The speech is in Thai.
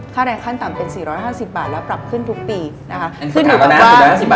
ค่าแรงขั้นต่ำเป็น๔๕๐บาทแล้วปรับขึ้นทุกปีนะคะ